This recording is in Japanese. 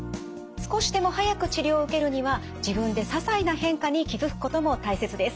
少しでも早く治療を受けるには自分でささいな変化に気付くことも大切です。